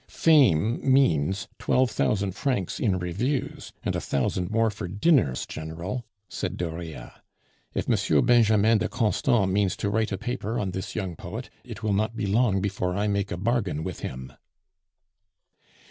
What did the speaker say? "Fame means twelve thousand francs in reviews, and a thousand more for dinners, General," said Dauriat. "If M. Benjamin de Constant means to write a paper on this young poet, it will not be long before I make a bargain with him."